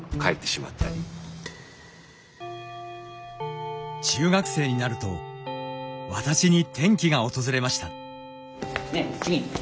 で母親来た時に中学生になると私に転機が訪れました。